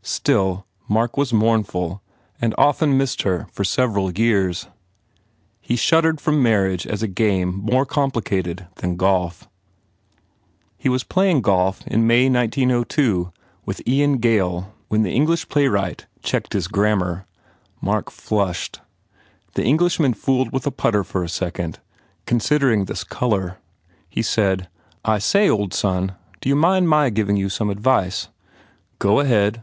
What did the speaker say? Still, Mark was mourn ful and often missed her for several years. He shuddered from marriage as a game more compli cated than golf. He was playing golf in May, 1902, with Ian Gail when the English playwright checked his 26 HE PROGRESSES grammar. Mark flushed. The Englishman fooled with a putter for a second, considering this colour. He said, "I say, old son, d you mind my giving you some advice?" "Go ahead."